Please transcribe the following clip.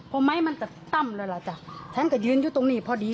พอไม้มันจะตั้มแล้วล่ะจ้ะฉันก็ยืนอยู่ตรงนี้พอดี